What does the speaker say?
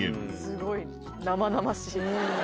すごい生々しい。